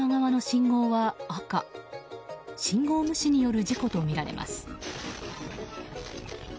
信号無視による事故とみられます。